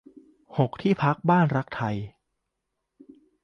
หก ที่พักบ้านรักไทย